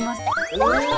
お！